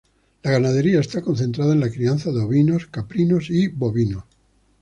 La ganadería está concentrada en la crianza de ovinos, caprinos y bovinos.